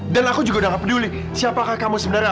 dan aku juga udah gak peduli siapakah kamu sebenarnya